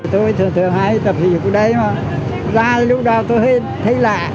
tôi thường hay tập hình ở đây mà ra lúc đầu tôi thấy lạ